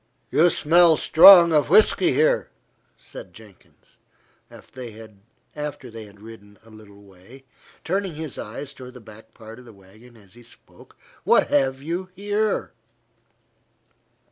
"You smell strong of whisky here," said Jenkins, after they had ridden a little way, turning his eyes toward the back part of the wagon as he spoke. "What have you here?"